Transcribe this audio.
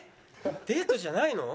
デートじゃないの？